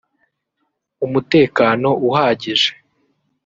umutekano uhagije